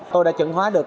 tôi đã chứng hóa được